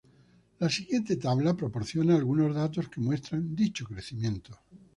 La siguiente tabla proporciona algunos datos que muestran dicho crecimiento.